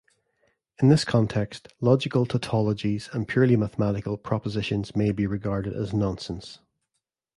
In this context, logical tautologies, and purely mathematical propositions may be regarded as "nonsense".